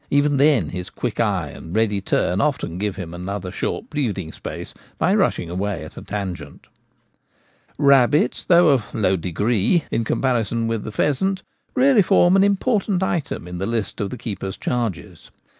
Even then his quick eye and ready turn often give Summer Shooting. 99 him another short breathing space by rushing away at a tangent. Rabbits, although of 'low degree' in comparison with the pheasant, really form an important item in the list of the keeper's charges.